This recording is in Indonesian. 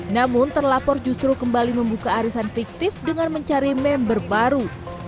namun terlapor justru kembali membuka arisan fiktif dengan mencari member baru